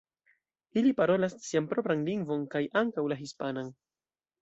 Ili parolas sian propran lingvon kaj ankaŭ la hispanan.